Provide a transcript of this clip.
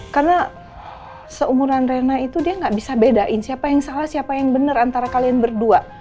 karena seumuran reina itu dia gak bisa bedain siapa yang salah siapa yang benar antara kalian berdua